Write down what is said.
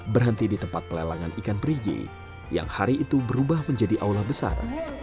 berhenti di tempat pelelangan ikan perigi yang hari itu berubah menjadi aula besar